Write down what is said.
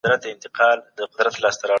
په دې کتابتون کي ډېر کتابونه شته.